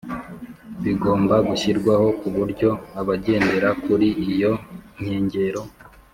bigomba gushyirwaho ku buryo abagendera kuri iyo nkengero